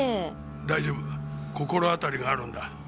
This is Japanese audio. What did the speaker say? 大丈夫心当たりがあるんだ。